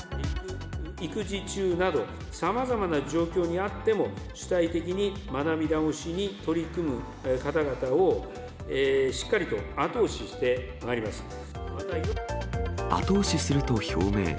育児中など、さまざまな状況にあっても、主体的に学び直しに取り組む方々を、しっかりと後押後押しすると表明。